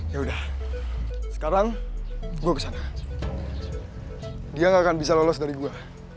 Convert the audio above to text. ya udah sekarang gue kesana dia gak akan bisa lolos dari gue